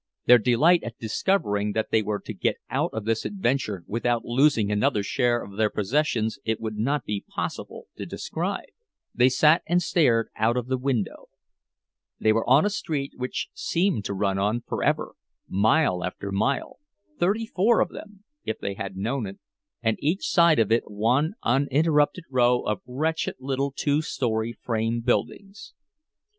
Their delight at discovering that they were to get out of this adventure without losing another share of their possessions it would not be possible to describe. They sat and stared out of the window. They were on a street which seemed to run on forever, mile after mile—thirty four of them, if they had known it—and each side of it one uninterrupted row of wretched little two story frame buildings.